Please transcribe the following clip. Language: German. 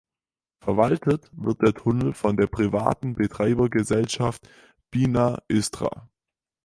Verwaltet wird der Tunnel von der privaten Betreibergesellschaft Bina-Istra.